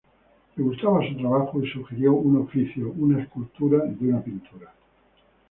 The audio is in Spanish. Le gustaba su trabajo y sugirió un oficio: una escultura de una pintura.